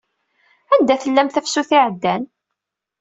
Anda tellam tafsut iɛeddan?